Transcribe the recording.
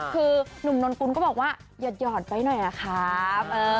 คือหนุ่มนนกุลก็บอกว่าหยอดไว้หน่อยอะครับ